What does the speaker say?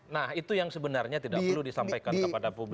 nah itu yang sebenarnya tidak perlu disampaikan kepada publik